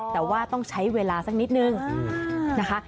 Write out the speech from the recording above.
แต่ว่าต้องใช้เวลาสักนิดนึงนะคะ